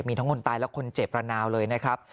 มีทั้งคนตายและคนเจ็บระนาวเลยนะครับ